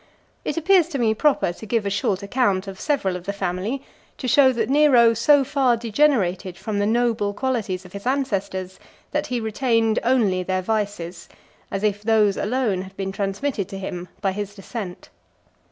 It appears to me proper to give a short account of several of the family, to show that Nero so far degenerated from the noble qualities of his ancestors, that he retained only their vices; as if those alone had been transmitted to him by his descent.